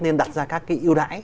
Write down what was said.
nên đặt ra các cái yêu đại